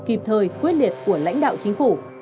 kịp thời quyết liệt của lãnh đạo chính phủ